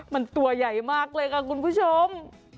มันตัวใหญ่มากเลยค่ะคุณผู้ชม